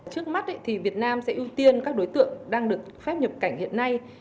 trước mắt thì việt nam sẽ ưu tiên các đối tượng đang được phép nhập cảnh hiện nay